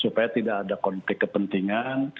supaya tidak ada konflik kepentingan